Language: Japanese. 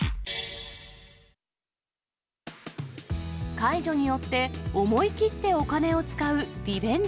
解除によって、思い切ってお金を使うリベンジ